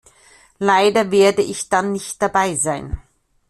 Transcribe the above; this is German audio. Leider werde ich dann nicht dabei sein.